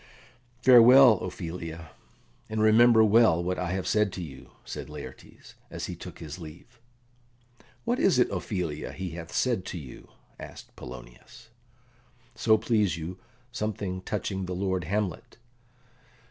"Farewell, Ophelia, and remember well what I have said to you," said Laertes, as he took his leave. "What is it, Ophelia, he hath said to you?" asked Polonius. "So please you, something touching the lord Hamlet."